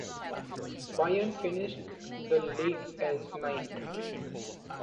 Bayern finished the league as ninth.